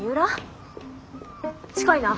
近いな。